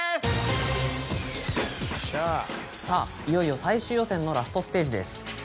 いよいよ最終予選のＬＡＳＴステージです。